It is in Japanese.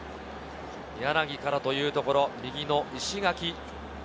柳からというところ右の石垣。